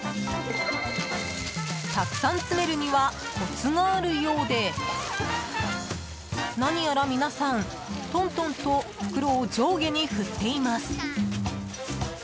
たくさん詰めるにはコツがあるようで何やら皆さん、トントンと袋を上下に振っています。